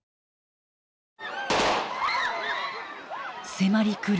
迫り来る